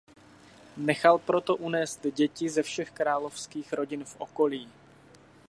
Nechal proto unést děti ze všech královských rodin v okolí.